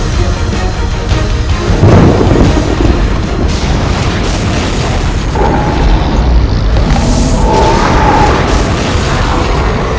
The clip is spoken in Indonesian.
penaga puspa tingkat terakhir